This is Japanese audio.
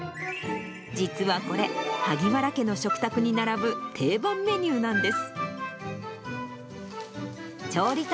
実はこれ、萩原家の食卓に並ぶ定番メニューなんです。